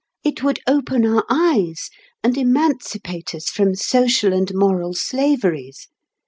It would open our eyes, and emancipate us from social and moral slaveries.